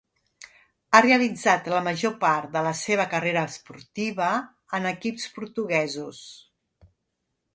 Ha realitzat la major part de la seva carrera esportiva en equips portuguesos.